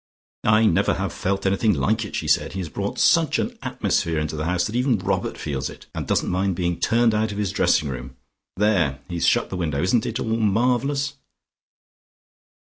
"I never have felt anything like it," she said. "He has brought such an atmosphere into the house that even Robert feels it, and doesn't mind being turned out of his dressing room. There, he has shut the window. Isn't it all marvellous?"